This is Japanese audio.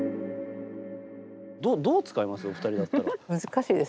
どう使います？